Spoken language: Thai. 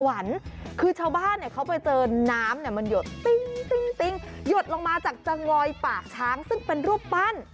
วันคือชาวบ้านเนี่ยเขาไปเจอน้ำเนี่ยมันหยดติ้งหยดลงมาจากจะงอยปากช้างซึ่งเป็นรูปปั้น